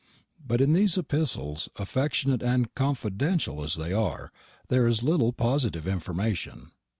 But in these epistles, affectionate and confidential as they are, there is little positive information.